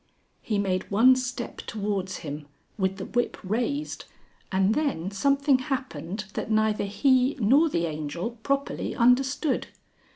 He made one step towards him, with the whip raised, and then something happened that neither he nor the Angel properly understood.